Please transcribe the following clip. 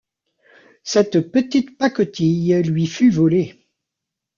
Cette petite pacotille lui fut volée.